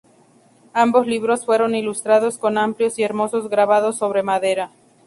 Ambos libros fueron ilustrados con amplios y hermosos grabados sobre madera.